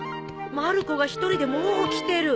まる子が一人でもう起きてる。